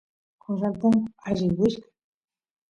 corral punku allit wichkay